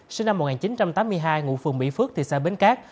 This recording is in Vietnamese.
sinh năm một nghìn chín trăm tám mươi hai ngụ phường mỹ phước thị xã bến cát